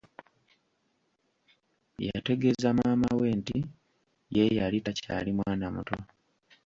Yategeeza maama we nti ye yali takyali mwana muto.